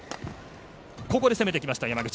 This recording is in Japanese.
ここで攻めてきました、山口。